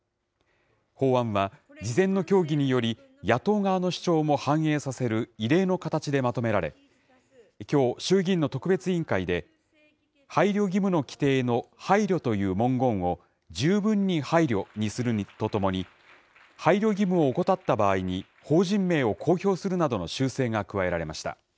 法案は、事前の協議により、野党側の主張も反映させる異例の形でまとめられ、きょう、衆議院の特別委員会で、配慮義務の規定の配慮という文言を、十分に配慮にするとともに、配慮義務を怠った場合に、法人名を公表するなどの修正が加えられました。